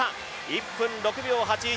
１分６秒８１。